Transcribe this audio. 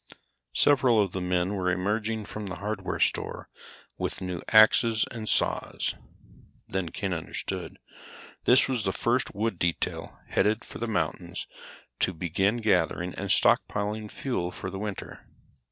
Several of the men were emerging from the hardware store with new axes and saws. Then Ken understood. This was the first wood detail headed for the mountains to begin gathering and stockpiling fuel for the winter.